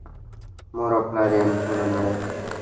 مور او پلار یعني ټوله نړۍ